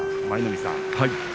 舞の海さん